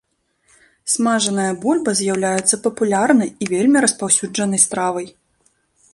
Смажаная бульба з'яўляецца папулярнай і вельмі распаўсюджанай стравай.